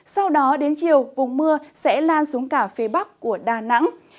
sau đó đến chiều vùng mưa sẽ lan xuống cả phía bắc của đà nẵng